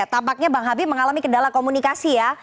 tampaknya bang habib mengalami kendala komunikasi ya